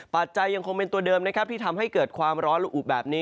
ปัจจัยยังคงเป็นตัวเดิมนะครับที่ทำให้เกิดความร้อนและอุแบบนี้